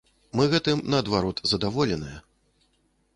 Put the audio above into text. Мы гэтым, наадварот, задаволеныя.